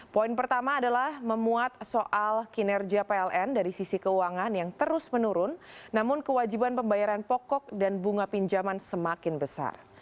poin pertama adalah memuat soal kinerja pln dari sisi keuangan yang terus menurun namun kewajiban pembayaran pokok dan bunga pinjaman semakin besar